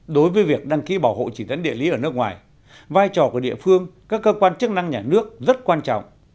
đối với việc đăng ký bảo hộ chỉ dẫn địa lý ở nước ngoài vai trò của địa phương các cơ quan chức năng nhà nước rất quan trọng